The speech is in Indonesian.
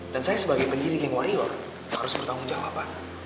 dan saya sebagai pendiri geng warior harus bertanggung jawaban